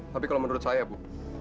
tapi kalau menurut saya bu